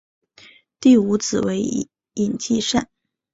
第五子为尹继善。